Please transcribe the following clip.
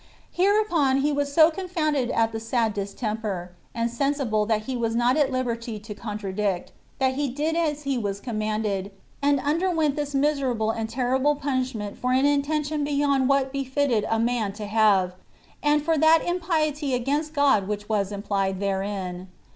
Hereupon he was so confounded at the sad distemper, and sensible that he was not at liberty to contradict, that he did as he was commanded, and underwent this miserable and terrible punishment for an intention beyond what befitted a man to have, and for that impiety against God which was implied therein.